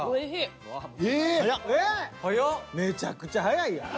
めちゃくちゃ早いやん。